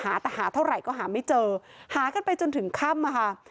หาแต่หาเท่าไหร่ก็หาไม่เจอหากันไปจนถึงค่ำอะค่ะ